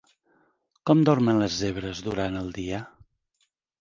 Com dormen les zebres durant el dia?